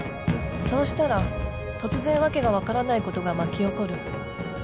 そうしたら突然わけがわからないことが巻き起こる。